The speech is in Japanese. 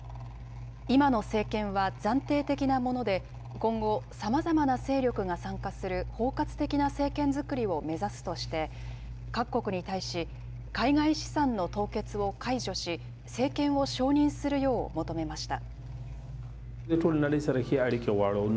今の政権は暫定的なもので、今後、さまざまな勢力が参加する包括的な政権作りを目指すとして、各国に対し、海外資産の凍結を解除し、政権を承認するよう求めました。